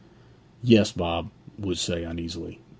'Yes,' Bob would say uneasily.